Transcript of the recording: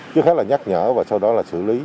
trước hết là nhắc nhở và sau đó là xử lý